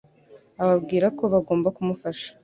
ababwira ko bagomba kumufasha